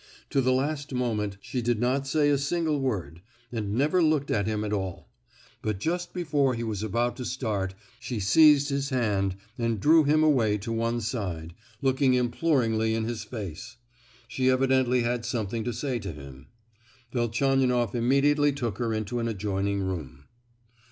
To the last moment she did not say a single word, and never looked at him at all; but just before he was about to start she seized his hand and drew him away to one side, looking imploringly in his face: she evidently had something to say to him. Velchaninoff immediately took her into an adjoining room.